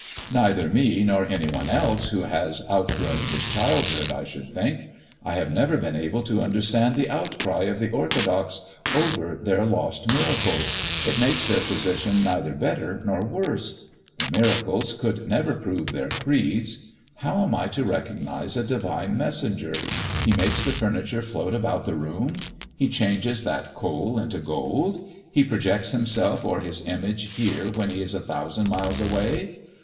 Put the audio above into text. "Neither me nor any one else who has outgrown his childhood, I should think. I have never been able to understand the outcry of the orthodox over their lost miracles. It makes their position neither better nor worse. The miracles could never prove their creeds. How am I to recognise a divine messenger? He makes the furniture float about the room; he changes that coal into gold; he projects himself or his image here when he is a thousand miles away.